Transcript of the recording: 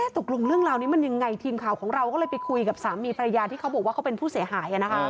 ตกลงเรื่องราวนี้มันยังไงทีมข่าวของเราก็เลยไปคุยกับสามีภรรยาที่เขาบอกว่าเขาเป็นผู้เสียหาย